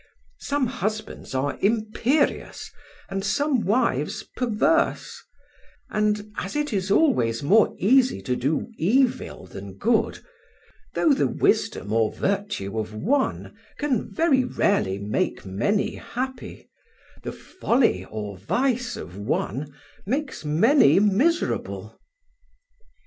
Some husbands are imperious and some wives perverse, and, as it is always more easy to do evil than good, though the wisdom or virtue of one can very rarely make many happy, the folly or vice of one makes many miserable."